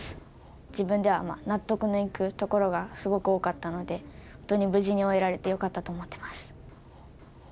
自分では納得のいくところがすごく多かったので、本当に無事に終えられてよかったなと思っています。